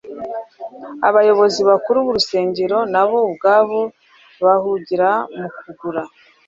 Abayobozi bakuru b’urusengero nabo ubwabo bahugiraga mu kugura,